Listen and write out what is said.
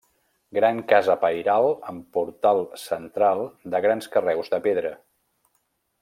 Gran casa pairal amb portal central de grans carreus de pedra.